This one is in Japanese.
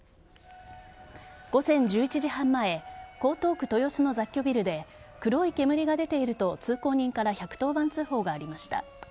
午前１１時半前江東区豊洲の雑居ビルで黒い煙が出ていると通行人から１１０番通報がありました。